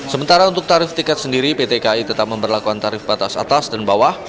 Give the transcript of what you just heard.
sementara untuk tarif tiket sendiri pt kai tetap memperlakukan tarif batas atas dan bawah